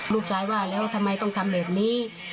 ลูกชายว่าแล้วทำไมต้องทำแบบนี้